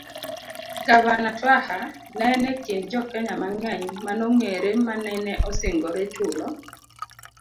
Gavana Twaha ne en e kind jokenya mang'eny manong'ere manene osingore chulo